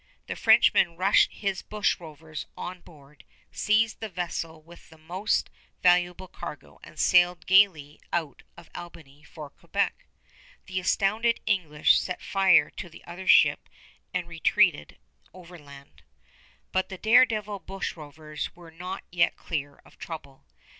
The Frenchman rushed his bushrovers on board, seized the vessel with the most valuable cargo, and sailed gayly out of Albany for Quebec. The astounded English set fire to the other ship and retreated overland. But the dare devil bushrovers were not yet clear of trouble.